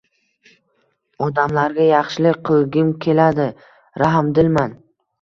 Odamlarga yaxshilik qilgim keladi, rahmdilman